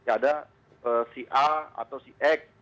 ada si a atau si e